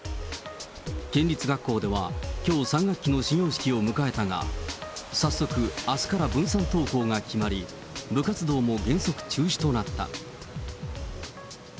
県立学校では、きょう、３学期の始業式を迎えたが、早速、あすから分散登校が決まり、部活動も原則中止となった。